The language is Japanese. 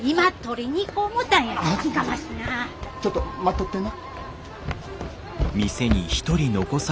ちょっと待っとってな。